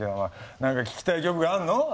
何か聴きたい曲があるの？